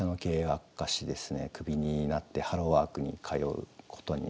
クビになってハローワークに通うことになりました。